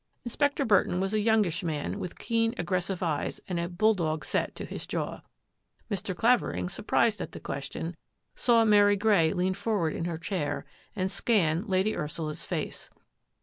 Inspector Burton was a youngish man with keen, aggressive eyes and a bull dog set to his jaw. Mr. Clavering, surprised at the question, saw Mary Grey lean forward in her chair and scan Lady Ursula's face.